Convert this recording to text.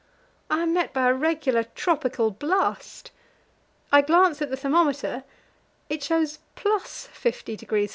I am met by a regular tropical blast. I glance at the thermometer; it shows +50° F.